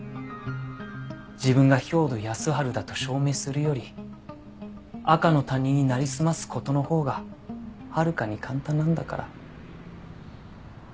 自分が兵働耕春だと証明するより赤の他人になりすます事のほうがはるかに簡単なんだから。